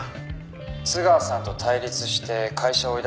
「津川さんと対立して会社を追い出された事